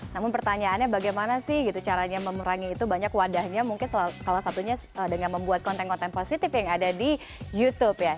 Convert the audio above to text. namun pertanyaannya bagaimana sih gitu caranya memerangi itu banyak wadahnya mungkin salah satunya dengan membuat konten konten positif yang ada di youtube ya